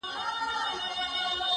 ه ما يې هر وختې په نه خبره سر غوښتی دی’